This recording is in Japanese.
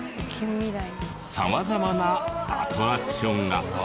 様々なアトラクションが。